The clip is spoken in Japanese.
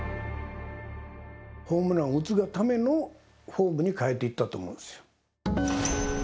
ホームランを打つがためのフォームに変えていったと思うんですよ。